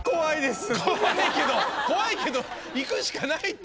怖いけど怖いけどいくしかないって。